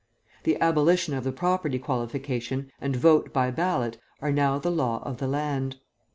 'The Abolition of the Property Qualification' and 'Vote by Ballot' are now the law of the land.